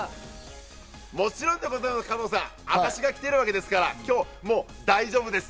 もちろんでございます、加藤さん。あたしが来てるわけですから、今日は、もう大丈夫です。